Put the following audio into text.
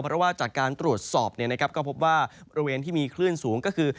เพราะว่าจากการตรวจสอบก็พบว่าบริเวณที่มีคลื่นสูงก็คือ